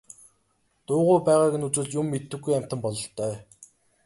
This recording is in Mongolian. Дуугүй байгааг нь үзвэл юм мэддэггүй амьтан бололтой.